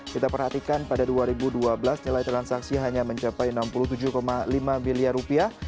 kita perhatikan pada dua ribu dua belas nilai transaksi hanya mencapai enam puluh tujuh lima miliar rupiah